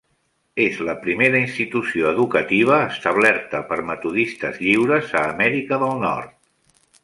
És la primera institució educativa establerta per metodistes lliures a Amèrica del Nord.